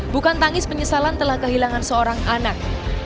bukan tangis penyesalan telah kehilangan seorang anak